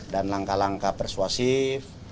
dan langkah langkah persuasif